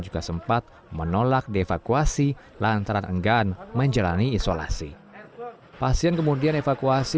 juga sempat menolak dievakuasi lantaran enggan menjalani isolasi pasien kemudian evakuasi